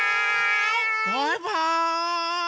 バイバーイ！